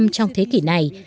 trong thế kỷ này